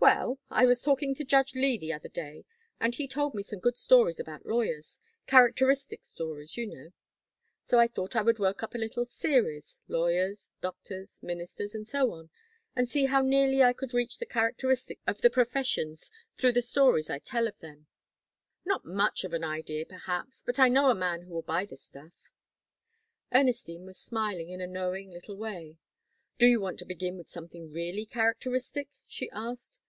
"Well, I was talking to Judge Lee the other day, and he told me some good stories about lawyers characteristic stories, you know. So I thought I would work up a little series lawyers, doctors, ministers and so on, and see how nearly I could reach the characteristics of the professions through the stories I tell of them; not much of an idea, perhaps but I know a man who will buy the stuff." Ernestine was smiling in a knowing little way. "Do you want to begin with something really characteristic?" she asked.